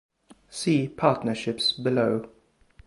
See Partnerships Below.